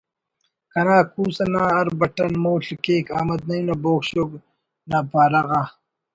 کنا کوس انا ہر بٹن مول/ کیک احمد نعیم نا بوگ شوگ نا پارہ غا